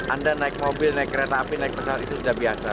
anda naik mobil naik kereta api naik pesawat itu sudah biasa